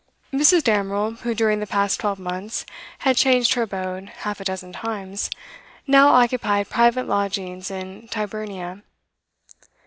Mrs. Damerel, who during the past twelve months had changed her abode half a dozen times, now occupied private lodgings in Tyburnia.